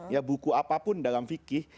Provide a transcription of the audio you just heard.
ya buku apapun dalam fikih